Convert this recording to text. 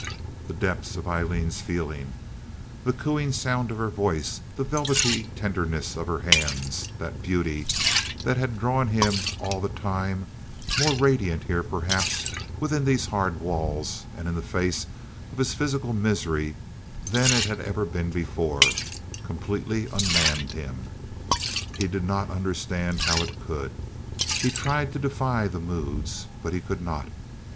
The depth of Aileen's feelings, the cooing sound of her voice, the velvety tenderness of her hands, that beauty that had drawn him all the time—more radiant here perhaps within these hard walls, and in the face of his physical misery, than it had ever been before—completely unmanned him. He did not understand how it could; he tried to defy the moods, but he could not.